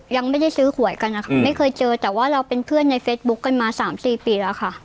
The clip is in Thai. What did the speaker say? ยังไม่ได้ซื้อหวยกันนะคะไม่เคยเจอแต่ว่าเราเป็นเพื่อนในเฟซบุ๊คกันมาสามสี่ปีแล้วค่ะ